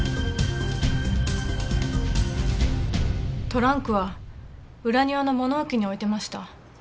トランクは裏庭の物置に置いてました。